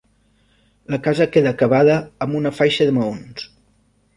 La casa queda acabada amb una faixa de maons.